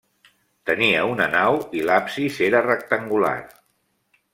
Tenia una nau i l'absis era rectangular.